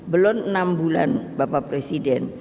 belum enam bulan bapak presiden